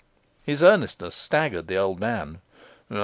His earnestness staggered the old man.